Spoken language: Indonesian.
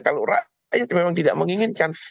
kalau rakyat memang tidak menginginkan